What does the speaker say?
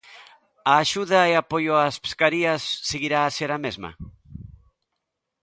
A axuda e apoio ás pescarías seguirá a ser a mesma?